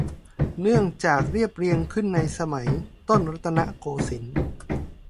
เนื่องจากเรียบเรียงขึ้นในสมัยต้นรัตนโกสินทร์